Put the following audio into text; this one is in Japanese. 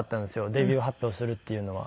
デビュー発表するっていうのは。